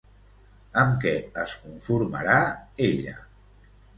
Amb què es conformarà ella?